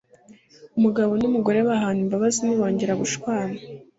umugabo n’umugore bahana imbabazi ntibongera gushwana